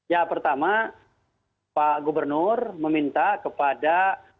ya pertama pak gubernur meminta kepada